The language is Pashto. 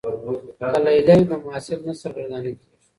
که لیلیه وي نو محصل نه سرګردانه کیږي.